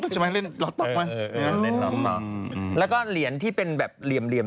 จริงเหรอ